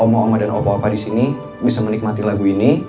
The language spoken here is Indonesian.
semoga omo omo dan opa opa disini bisa menikmati lagu ini